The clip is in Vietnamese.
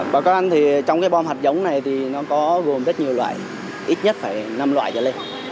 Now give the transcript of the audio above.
bà con ăn thì trong cái bom hạt giống này thì nó có gồm rất nhiều loại ít nhất phải năm loại trở lên